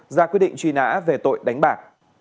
ra quyết định truy nã về tội đánh bạc